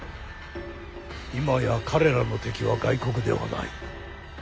今や彼らの敵は外国ではない。